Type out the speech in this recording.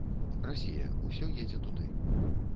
Расія, усё едзе туды.